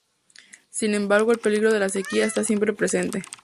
Sin embargo, el peligro de la sequía está siempre presente.